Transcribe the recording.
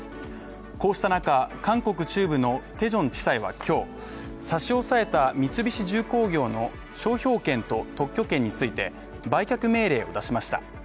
こうした中、韓国中部のテジョン地裁は今日、差し押さえた三菱重工業の商標権と、特許権について、売却命令を出しました。